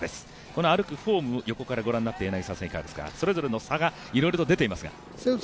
この歩くフォーム横から御覧になっていかがですか、それぞれの差がいろいろと出ていますが。